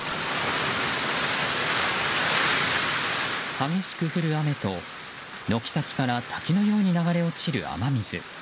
激しく降る雨と、軒先から滝のように流れ落ちる雨水。